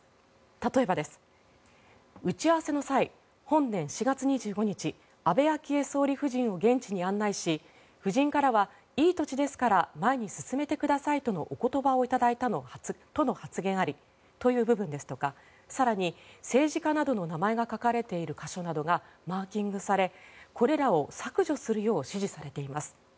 例えば、打ち合わせの際本年４月２５日安倍昭恵総理夫人を現地に案内し夫人からはいい土地ですから前に進めてくださいとのお言葉を頂いたとの発言ありという部分ですとか更に、政治家などの名前が書かれている箇所などがマーキングされこれらを削除するよう指示されています。